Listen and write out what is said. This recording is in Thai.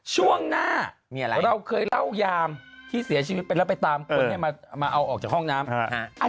ช่วงหน้าเราเคยเล่ายามที่เสียชีวิตไปแล้วไปตามคนมาเอาออกจากห้องน้ำ